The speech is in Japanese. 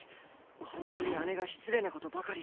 本当に姉が失礼な事ばかり。